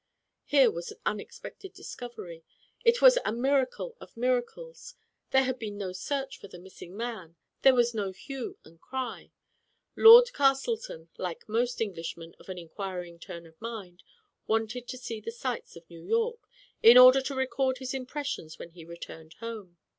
Here was an unexpected discovery. It was a miracle of miracles. There had been no search for the missing man. There was no hue and cry. Lord Castleton, like most Englishmen of an inquiring turn of mind, wanted to see the sights Digitized by Google CLEMENT SCOTf, ^^27 of New York, in order to record his impressions when he returned home.